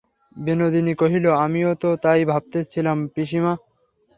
বিনোদিনী কহিল, আমিও তো তাই ভাবিতেছিলাম, পিসিমা।